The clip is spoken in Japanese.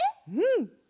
うん！